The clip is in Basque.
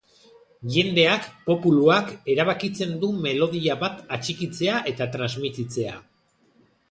Jendeak, populuak, erabakitzen du melodia bat atxikitzea eta transmititzea.